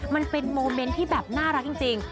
มันเป็นโมเมนต์ที่แบบน่ารักจริง